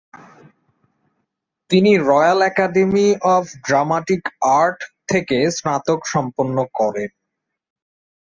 তিনি Royal Academy of Dramatic Art থেকে স্নাতক সম্পন্ন করেন।